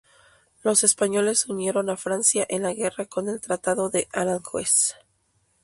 Los españoles se unieron a Francia en la guerra con el Tratado de Aranjuez.